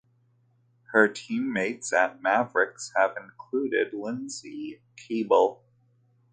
Her teammates at Mavericks have included Lindsay Keable.